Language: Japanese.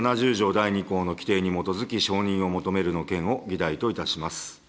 第２項の規定に基づき、承認を求めるの件を議題といたします。